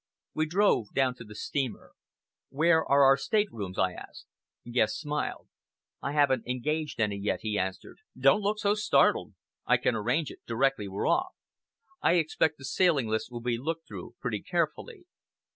We drove down to the steamer. "Where are our state rooms?" I asked. Guest smiled. "I haven't engaged any yet," he answered. "Don't look so startled. I can arrange it directly we're off. I expect the sailing lists will be looked through pretty carefully."